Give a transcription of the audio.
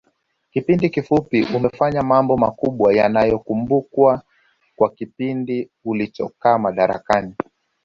Kipindi kifupi umefanya mambo makubwa yatakayokumbukwa kwa kipindi ulichokaa madarakani